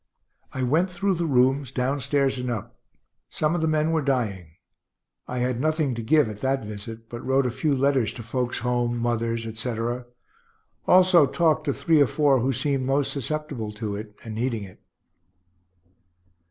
I went through the rooms, down stairs and up. Some of the men were dying. I had nothing to give at that visit, but wrote a few letters to folks home, mothers, etc. Also talked to three or four who seemed most susceptible to it, and needing it.